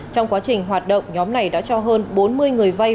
trong quá trình hoạt động nhóm này đã cho hơn bốn mươi người vay